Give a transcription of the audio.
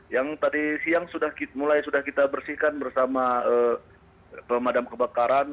yang tadi siang sudah mulai sudah kita bersihkan bersama pemadam kebakaran